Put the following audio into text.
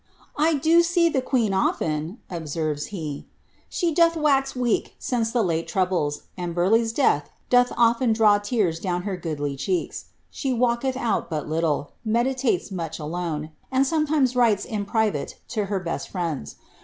^ I do see the queen often P' observes he ;^ she doth wax weak since te lalo troubles, and Burleigh's death doth ollen draw tears down her Mdly cheeks. She walketh out but little, meditates much alone, and iBieinnfs writes, in private, to her best friends.